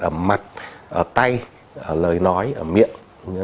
ở mặt ở tay ở lời nói ở miệng